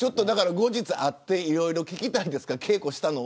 後日会っていろいろ聞きたいですか。